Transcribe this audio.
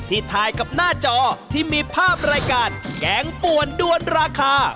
ถ่ายกับหน้าจอที่มีภาพรายการแกงป่วนด้วนราคา